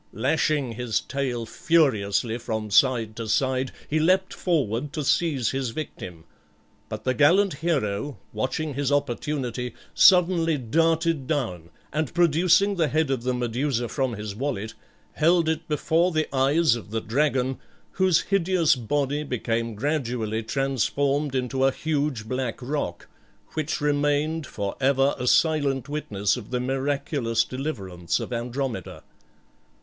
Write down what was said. Lashing his tail furiously from side to side, he leaped forward to seize his victim; but the gallant hero, watching his opportunity, suddenly darted down, and producing the head of the Medusa from his wallet, held it before the eyes of the dragon, whose hideous body became gradually transformed into a huge black rock, which remained for ever a silent witness of the miraculous deliverance of Andromeda.